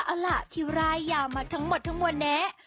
เอาล่ะเอาล่ะทิวรายามาทั้งหมดทั้งหมดเน๊ะ